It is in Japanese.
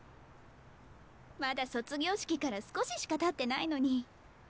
まだ卒業式から少ししかたってないのに。